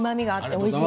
おいしい。